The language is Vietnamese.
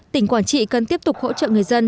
tỉnh quảng trị cần tiếp tục hỗ trợ người dân